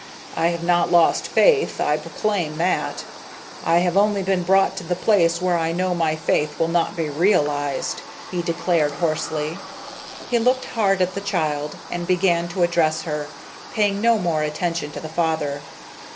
"I have not lost faith. I proclaim that. I have only been brought to the place where I know my faith will not be realized," he declared hoarsely. He looked hard at the child and began to address her, paying no more attention to the father.